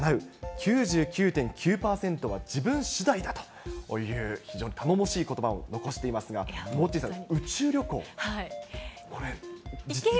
９９．９％は自分しだいだという、非常に頼もしいことばを残していますが、モッチーさん、宇宙旅行、これ、実現。